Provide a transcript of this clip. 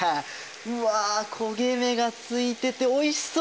うわ焦げ目がついてておいしそう！